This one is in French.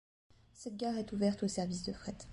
Cette gare est ouverte aux services de fret.